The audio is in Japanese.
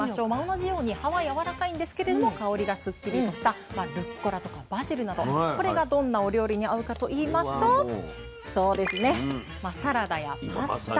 同じように葉はやわらかいんですけれど香りがスッキリとしたルッコラとかバジルなどこれがどんなお料理に合うかといいますとサラダやパスタ。